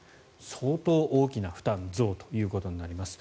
相当大きな負担増ということになります。